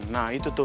nah itu tuh